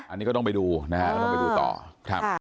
อันนี้ก็ต้องไปดูนะครับต้องไปดูต่อ